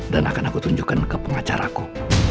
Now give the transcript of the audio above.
dan akan aku tunjukkan ke pengacaraku